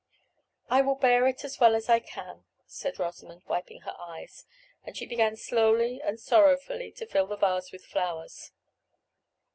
"I will bear it as well as I can," said Rosamond, wiping her eyes; and she began slowly and sorrowfully to fill the vase with flowers.